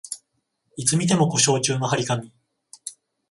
いつ見ても故障中の張り紙